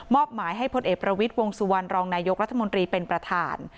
หมายให้พลเอกประวิทย์วงสุวรรณรองนายกรัฐมนตรีเป็นประธาน